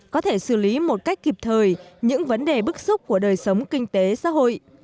có thể xử lý một cách kịp thời những vấn đề bức xúc của đời sống kinh tế xã hội